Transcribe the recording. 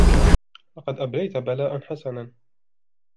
لقد أبليت بلاءً حسناً